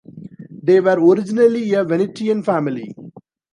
They were originally a Venetian family.